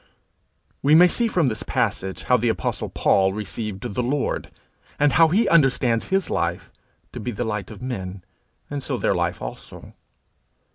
We may see from this passage how the apostle Paul received the Lord, and how he understands his life to be the light of men, and so their life also.